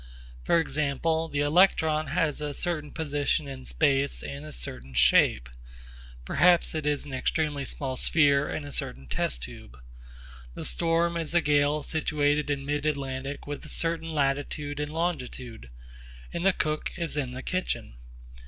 For example, the electron has a certain position in space and a certain shape. Perhaps it is an extremely small sphere in a certain test tube. The storm is a gale situated in mid Atlantic with a certain latitude and longitude, and the cook is in the kitchen.